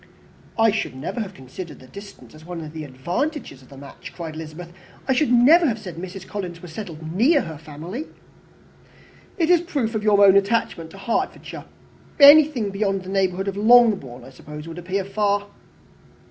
"I should never have considered the distance as one of the advantages of the match," cried Elizabeth. "I should never have said Mrs. Collins was settled near her family." "It is a proof of your own attachment to Hertfordshire. Anything beyond the very neighbourhood of Longbourn, I suppose, would appear far."